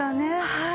はい。